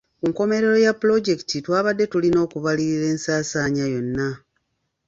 Ku nkomerero ya pulojekiti twabadde tulina okubalirira ensaasaanya yonna.